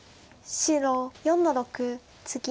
白４の六ツギ。